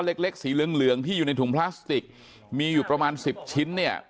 เล็กเล็กสีเหลืองเหลืองที่อยู่ในถุงพลาสติกมีอยู่ประมาณสิบชิ้นเนี่ย